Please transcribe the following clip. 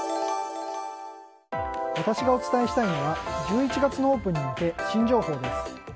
私がお伝えしたいのは１１月のオープンに向け新情報です。